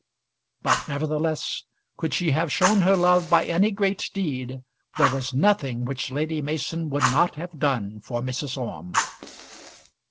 But nevertheless, could she have shown her love by any great deed, there was nothing which Lady Mason would not have done for Mrs. Orme.